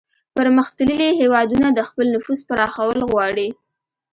پرمختللي هیوادونه د خپل نفوذ پراخول غواړي